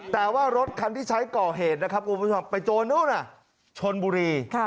แต่ว่ารถที่ใช่เกาะเหตุไปโจรโกรธชนบุรี